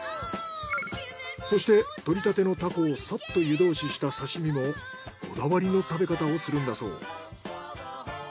そして獲りたてのタコをさっと湯通しした刺身もこだわりの食べ方をするんだそう。